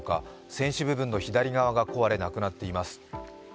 船首部分の左側が壊れなくなっています。